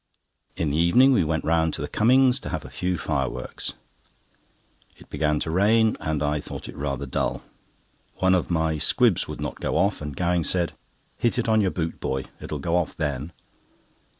In the evening we went round to the Cummings', to have a few fireworks. It began to rain, and I thought it rather dull. One of my squibs would not go off, and Gowing said: "Hit it on your boot, boy; it will go off then."